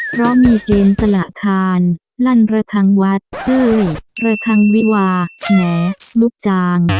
เพราะมีเกณฑ์สละคานลั่นระคังวัดเฮ้ยระคังวิวาแหมลูกจาง